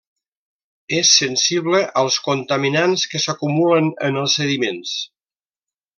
És sensible als contaminants que s'acumulen en els sediments.